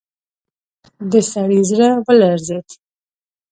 د سړي زړه ولړزېد.